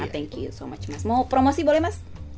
thank you so much mas mau promosi boleh mas